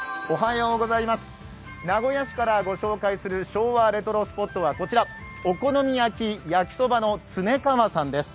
名古屋市からご紹介する昭和レトロスポットはこちら、お好み焼・やきそばのつねかわさんです。